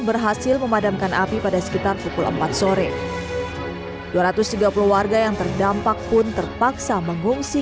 berhasil memadamkan api pada sekitar pukul empat sore dua ratus tiga puluh warga yang terdampak pun terpaksa mengungsi